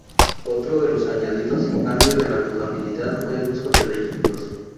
Otro de los añadidos y cambios en la jugabilidad fue el uso de vehículos.